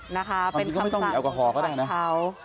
นะคะเป็นคำสั่งของเขา